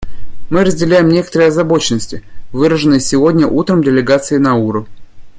Мы разделяем некоторые озабоченности, выраженные сегодня утром делегаций Науру.